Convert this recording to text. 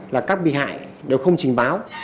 là các bị hại đều không trình báo